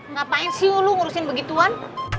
ngapain siu lo ngurusin begituan